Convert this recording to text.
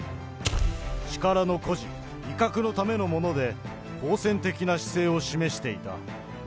力の誇示、威嚇のためのもので、好戦的な姿勢を示していた。